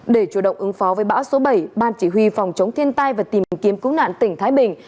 để chủ động ứng phó với bão số bảy ban chỉ huy phòng chống thiên tai và tìm kiếm cứu nạn tỉnh thái bình